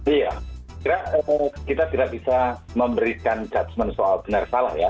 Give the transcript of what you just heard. iya kita tidak bisa memberikan judgement soal benar salah ya